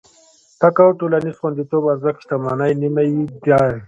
تقاعد ټولنيز خونديتوب ارزښت شتمنۍ نيمايي دي.